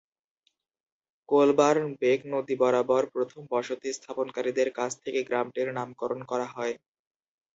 Coburn Beck নদী বরাবর প্রথম বসতি স্থাপনকারীদের কাছ থেকে গ্রামটির নামকরণ করা হয়।